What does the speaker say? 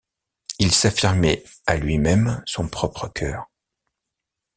Il s’affirmait à lui-même son propre cœur.